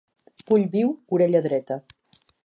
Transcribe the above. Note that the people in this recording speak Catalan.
Ull viu, orella dreta.